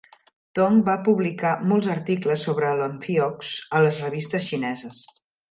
Tong va publicar molts articles sobre l'amfiox a les revistes xineses.